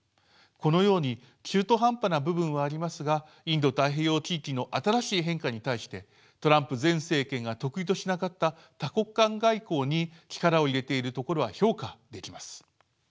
このように中途半端な部分はありますがインド太平洋地域の新しい変化に対してトランプ前政権が得意としなかった多国間外交に力を入れているところは評価できます。